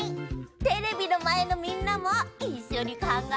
テレビのまえのみんなもいっしょにかんがえてね。